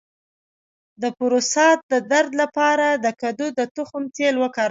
د پروستات د درد لپاره د کدو د تخم تېل وکاروئ